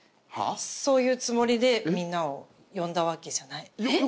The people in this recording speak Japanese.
そういうつもりでみんなを呼んだわけじゃない。